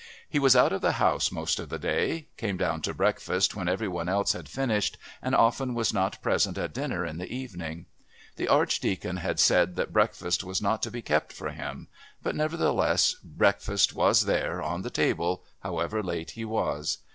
He was out of the house most of the day, came down to breakfast when every one else had finished, and often was not present at dinner in the evening. The Archdeacon had said that breakfast was not to be kept for him, but nevertheless breakfast was there, on the table, however late he was.